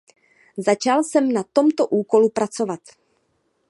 Začal jsem na tomto úkolu pracovat.